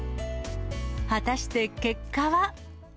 果たして結果は。